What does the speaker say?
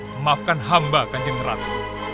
maafkan hamba kanjeng ratu